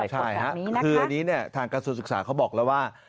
ใช่ครับคืออันนี้เนี่ยทางการสูตรศึกษาเขาบอกแล้วว่า